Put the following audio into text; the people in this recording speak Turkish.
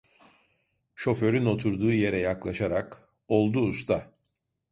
Şoförün oturduğu yere yaklaşarak: "Oldu usta!"